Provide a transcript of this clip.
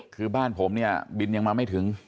คือบ้านผมเนี่ยบินยังมาไม่ถึง